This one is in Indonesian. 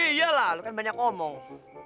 iya lah lu kan banyak omong